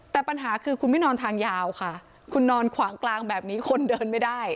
แต่ปัญหาคือคุณไม่นอนทางยาวค่ะคุณนอนขวางกลางแบบนี้คนเดินไม่ได้